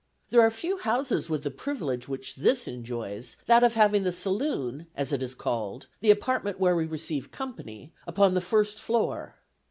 There are few houses with the privilege which this enjoys, that of having the saloon, as it is called, the apartment where we receive company, upon the first floor.